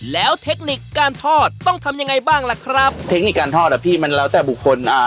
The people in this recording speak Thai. แล้วเทคนิคการทอดต้องทำยังไงบ้างล่ะครับเทคนิคการทอดอ่ะพี่มันแล้วแต่บุคคลอ่า